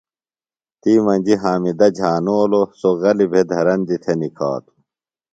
تی مجیۡ حامدہ جھانولوۡ سوۡ غلیۡ بھےۡ دھرندیۡ تھےۡ نِکھاتوۡ۔